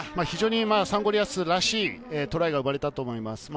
非常にサンゴリアスらしいトライが生まれたと思います。